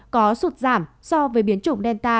có sụt giảm so với biến chủng delta